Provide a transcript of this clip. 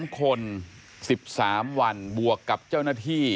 ๓คน๑๓วันบวกกับเจ้าหน้าที่